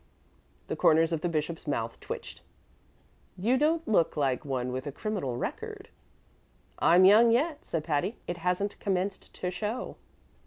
The corners of the bishop's mouth twitched. "You don't look like one with a criminal record." "I'm young yet," said Patty. "It hasn't commenced to show."